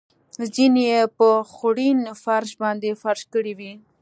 زېنې یې په خوړین فرش باندې فرش کړې وې.